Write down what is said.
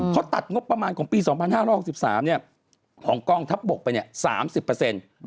เขาตัดงบประมาณของปี๒๕๖๓ห่องกล้องทัพบกไปเนี่ย๓๐